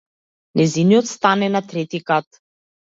Нејзиниот стан е на трети кат.